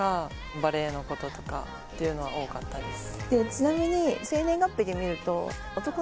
ちなみに。